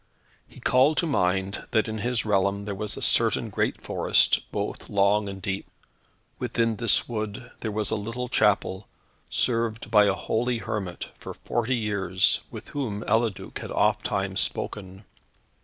He called to mind that in his realm there was a certain great forest, both long and deep. Within this wood there was a little chapel, served by a holy hermit for forty years, with whom Eliduc had oftimes spoken.